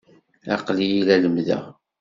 Aql-iyi la lemmdeɣ.